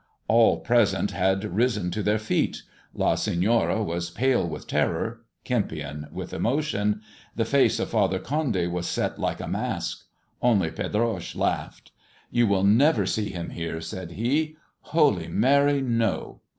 All present had risen to their feet. La Senora was pale with terror, Kempion with emotion. The face of Father Condy was set like a mask. Only Pedroche laughed. " You will never see him here," said he. " Holy Mary, no!"